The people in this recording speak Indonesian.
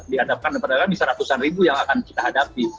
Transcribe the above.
di hadapan pedagang bisa ratusan ribu yang akan kita hadapi